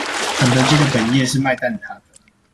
肯德基的本業是賣蛋塔的